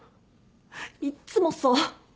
いっつもそう。